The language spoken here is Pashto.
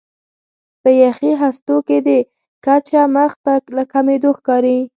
په یخي هستو کې د کچه مخ په کمېدو ښکاري.